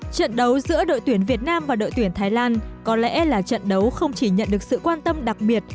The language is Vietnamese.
trận đấu giữa đội tuyển việt nam và đội tuyển thái lan có lẽ là trận đấu không chỉ nhận được sự quan tâm đặc biệt